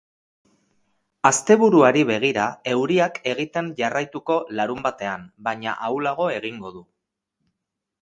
Asteburuari begira, euriak egiten jarraituko larunbatean, baina ahulago egingo du.